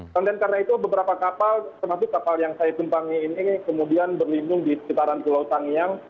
karena itu beberapa kapal termasuk kapal yang saya tumpangi ini kemudian berlindung di sekitaran pulau tangiang